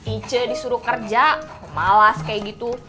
icu disuruh kerja malas kaya gitu